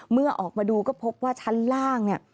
เมื่อออกมาดูก็พบว่าชั้นล่างเนี่ย